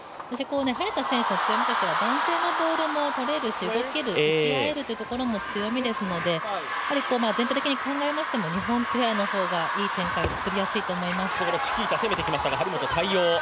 早田選手の強みとしては男性のボールも取れるし動ける、打ち合えるというところも強みですので、全体的に考えましても日本ペアの方がいい展開を作りやすいと思います。